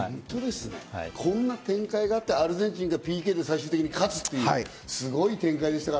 こんな展開がって、アルゼンチンがＰＫで勝つっていう、すごい展開でした。